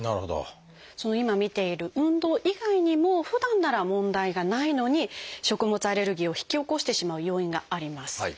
今見ている運動以外にもふだんなら問題がないのに食物アレルギーを引き起こしてしまう要因があります。